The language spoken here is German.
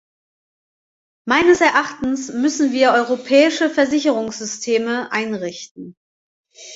Meines Erachtens müssen wir europäische Versicherungssysteme einrichten.